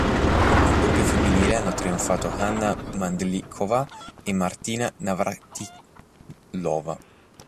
Nel doppio femminile hanno trionfato Hana Mandlíková e Martina Navrátilová.